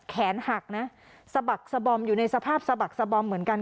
แขนหักนะสะบักสะบอมอยู่ในสภาพสะบักสะบอมเหมือนกัน